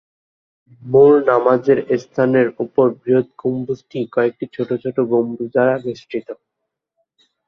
মূল নামাজের স্থানের উপরের বৃহৎ গম্বুজটি কয়েকটি ছোট ছোট গম্বুজ দ্বারা বেষ্টিত।